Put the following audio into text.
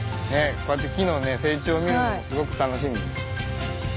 こうやって木のね成長を見るのもすごく楽しみです。